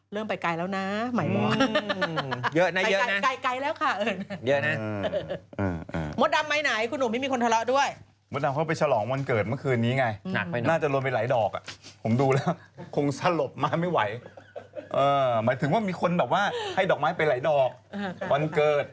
เรื่องนี้